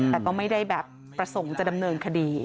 แต่ก็ไม่ได้แบบประสงค์จะดำเนินคดี